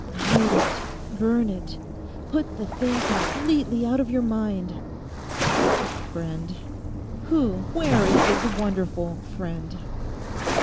Hide it; burn it; put the thing completely out of your mind. A friend! Who, where is this wonderful friend?